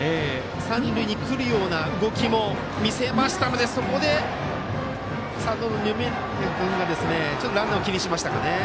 三塁にくるような動きも見せましたのでそこで、サードの二宮君がちょっとランナーを気にしましたかね。